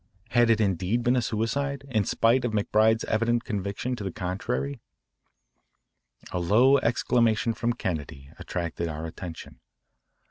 Had it indeed been a suicide, in spite of McBride's evident conviction to the contrary? A low exclamation from Kennedy attracted our attention.